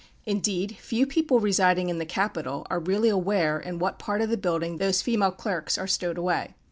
Indeed, few people residing in the capital are really aware in what part of the building those female clerks are stowed away.